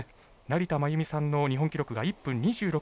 成田真由美さんの日本記録が１分２６秒３９。